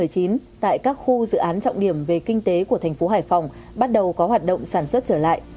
sau dịch covid một mươi chín tại các khu dự án trọng điểm về kinh tế của thành phố hải phòng bắt đầu có hoạt động sản xuất trở lại